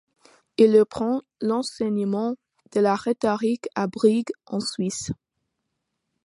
Il reprend l’enseignement de la rhétorique à Brigue, en Suisse.